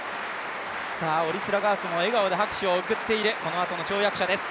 オリスラガースも笑顔で拍手を送っているこのあとの跳躍者です。